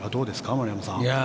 丸山さん。